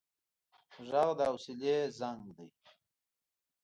غږ د حوصله زنګ دی